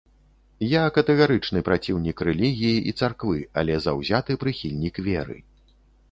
Я катэгарычны праціўнік рэлігіі і царквы, але заўзяты прыхільнік веры.